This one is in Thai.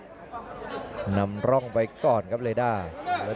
ส่วนหน้านั้นอยู่ที่เลด้านะครับ